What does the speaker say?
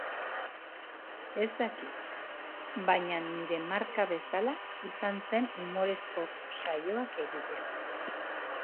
Ez dakit, baina nire marka bezala izan zen umorezko saioak egitea.